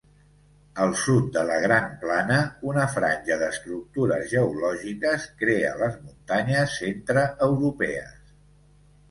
Al sud de la gran plana, una franja d'estructures geològiques crea les muntanyes centreeuropees.